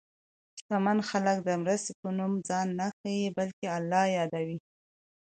شتمن خلک د مرستې په نوم ځان نه ښيي، بلکې الله یادوي.